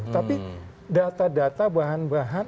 tapi data data bahan bahan